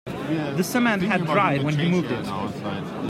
The cement had dried when he moved it.